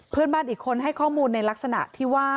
เพื่อนบ้านอีกคนให้ข้อมูลในลักษณะที่ว่า